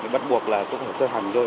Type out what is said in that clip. bắt buộc là cũng phải tư hành thôi